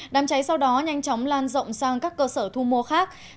đám cháy sau đó nhanh chóng lan rộng sang các cơ sở thu mua khác